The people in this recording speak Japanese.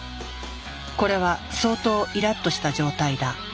これは相当イラッとした状態だ。